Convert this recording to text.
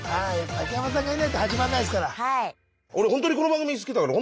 竹山さんがいないと始まんないですから。